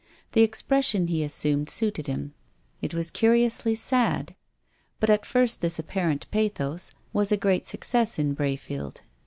The expression he as sumed suited him. It was curiously sad. But, at first, this apparent pathos was a great success in Brayfield.